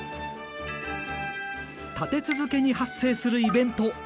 立て続けに発生するイベント。